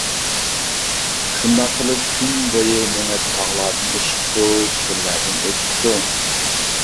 شۇنداق قىلىپ، كۈن بويى مېڭىپ تاغلاردىن ئېشىپتۇ، چۆللەردىن ئۆتۈپتۇ.